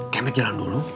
kemet jalan dulu